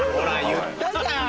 言ったじゃん。